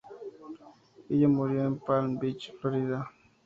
Ella murió en Palm Beach, Florida.